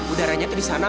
udaranya tuh di sana